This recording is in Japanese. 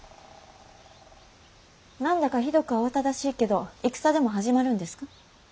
何だかひどく慌ただしいけど戦でも始まるんですか。